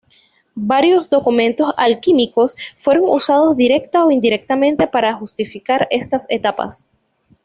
Varios documentos alquímicos fueron usados directa o indirectamente para justificar estas etapas.